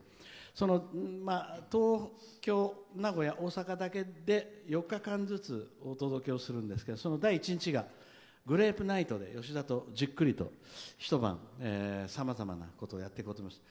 その東京、名古屋、大阪だけで４日間ずつお届けをするんですけどその第１日がグレープナイトで吉田と、じっくりとひと晩さまざまなことをやっていこうと思います。